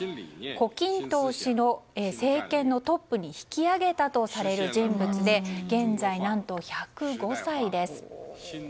胡錦涛氏を政権のトップに引き上げたとされる人物で現在何と１０５歳です。